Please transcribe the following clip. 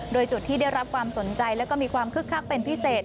โดยจุดที่ได้รับความสนใจแล้วก็มีความคึกคักเป็นพิเศษ